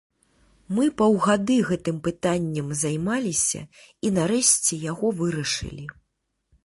Мы паўгады гэтым пытаннем займаліся і, нарэшце, яго вырашылі.